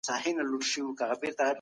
هغه وويل چي ښه کارونه مهم دي.